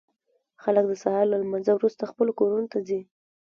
خلک د سهار له لمانځه وروسته خپلو کارونو ته ځي.